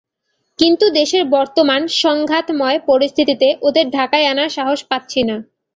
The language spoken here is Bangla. কিন্তু দেশের বর্তমান সংঘাতময় পরিস্থিতিতে ওদের ঢাকায় আনার সাহস পাচ্ছি না।